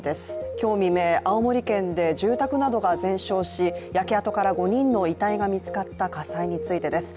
今日未明、青森県で住宅などが全焼し、焼け跡から５人の遺体が見つかった火災についてです。